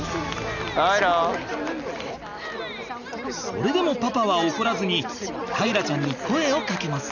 それでもパパは怒らずに大樂ちゃんに声をかけます。